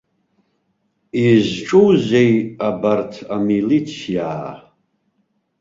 Изҿузеи абарҭ амилициаа?!